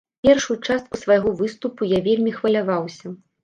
Першую частку свайго выступу я вельмі хваляваўся.